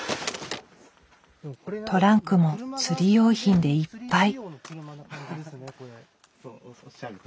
トランクも釣り用品でいっぱい。